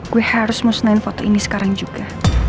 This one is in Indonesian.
gue harus musnahin foto ini sekarang juga